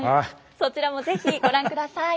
そちらも是非ご覧ください。